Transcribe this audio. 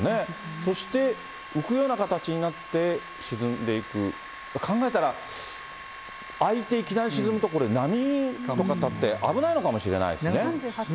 そして浮くような形になって、沈んでいく、考えたら、開いて、いきなり沈むと、波とか立って、危ないのかもしれないですね。